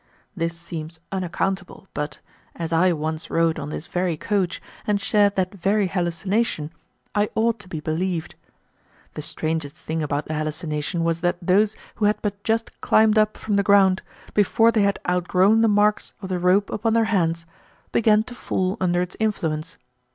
This seems unaccountable, but, as I once rode on this very coach and shared that very hallucination, I ought to be believed. The strangest thing about the hallucination was that those who had but just climbed up from the ground, before they had outgrown the marks of the rope upon their hands, began to fall under its influence.